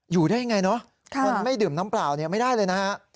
อยู่ได้ยังไงเนอะคนไม่ดื่มน้ำเปล่าเนี่ยไม่ได้เลยนะฮะ